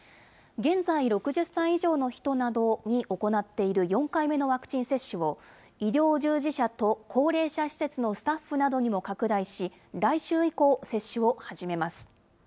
現在、６０歳以上の人などに行っている４回目のワクチン接種を、医療従事者と高齢者施設のスタッフなどにも拡大し、来週以降、接種を始めます。